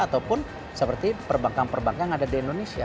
ataupun seperti perbankan perbankan yang ada di indonesia